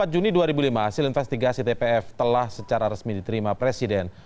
empat juni dua ribu lima hasil investigasi tpf telah secara resmi diterima presiden